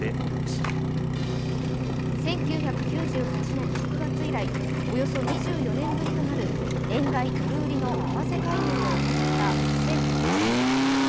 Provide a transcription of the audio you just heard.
１９９８年６月以来およそ２４年ぶりとなる円買い・ドル売りの為替介入を行った政府・日銀。